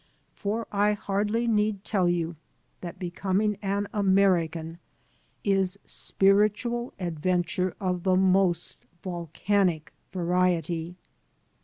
For I hardly need tell you that becoming an American is spiritual adventure of the most volcanic variety.